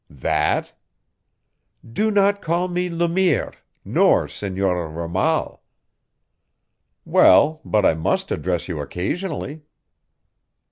"That " "Do not call me Le Mire nor Senora Ramal." "Well, but I must address you occasionally."